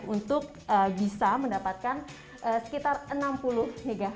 untuk bisa mendapatkan sekitar enam puluh mw